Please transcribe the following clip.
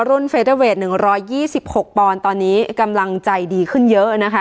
รุ่นเฟสเตอร์เวิร์ดหนึ่งร้อยยี่สิบหกปอนตอนนี้กำลังใจดีขึ้นเยอะนะคะ